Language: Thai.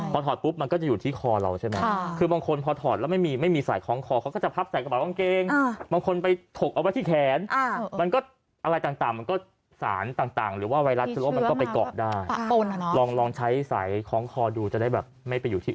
พอถอดปุ๊บมันก็จะอยู่ที่คอเราใช่ไหม